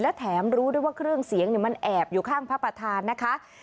และแถมรู้ด้วยว่าเครื่องเสียงมันแอบอยู่ข้างพระประธานนะคะ